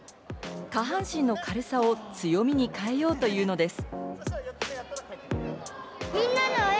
下半身の軽さを強みに変えようというのです。